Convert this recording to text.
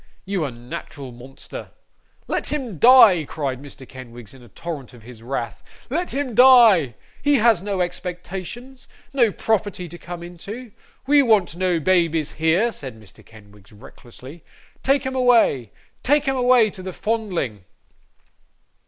you unnatural monster.' 'Let him die,' cried Mr. Kenwigs, in the torrent of his wrath. 'Let him die! He has no expectations, no property to come into. We want no babies here,' said Mr. Kenwigs recklessly. 'Take 'em away, take 'em away to the Fondling!